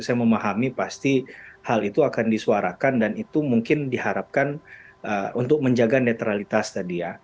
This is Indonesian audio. saya memahami pasti hal itu akan disuarakan dan itu mungkin diharapkan untuk menjaga netralitas tadi ya